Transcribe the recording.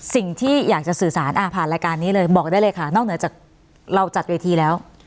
สิ่งที่อยากจะสื่อสารผ่านรายการนี้เลยบอกได้เลยค่ะนอกเหนือจากเราจัดเวทีแล้ว